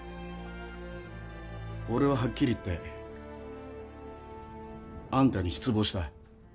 俺ははっきり言ってあんたに失望した。